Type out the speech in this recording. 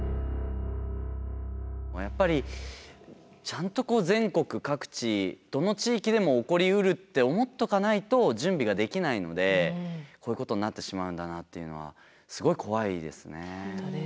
やっぱりちゃんと全国各地どの地域でも起こりうるって思っとかないと準備ができないのでこういうことになってしまうんだなっていうのはすごい怖いですね。